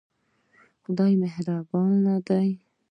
خدای مهربان دی